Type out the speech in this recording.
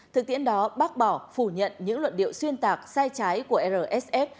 thực tiễn đó bác bỏ phủ nhận những luận điệu xuyên tạc sai trái của rsf